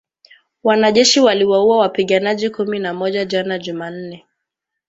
wanajeshi waliwaua wapiganaji kumi na moja jana Jumanne